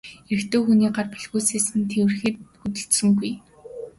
Эрэгтэй хүний гар бэлхүүсээр нь тэврэхэд ч хөдөлсөнгүй.